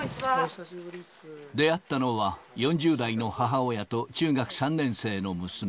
出会ったのは、４０代の母親と中学３年生の娘。